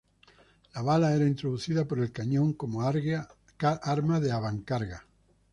La bala era introducida por el cañón, como arma de avancarga.